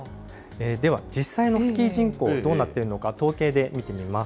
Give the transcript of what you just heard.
では、実際のスキー人口どうなっているのか、統計で見てみます。